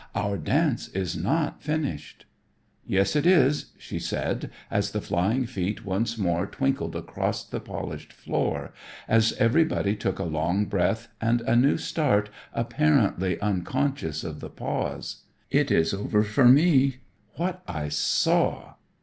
"Our dance is not finished." "Yes, it is," she said as the flying feet once more twinkled across the polished floor, as everybody took a long breath and a new start apparently unconscious of the pause. "It is over for me. What I saw!"